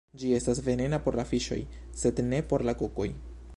Ĝi estas venena por la fiŝoj, sed ne por la kokoj.